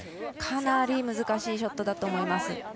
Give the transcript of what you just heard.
かなり難しいショットだと思います。